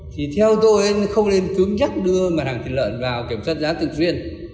thì theo tôi anh không nên cứng nhắc đưa bàn hàng thịt lợn vào kiểm soát giá tự duyên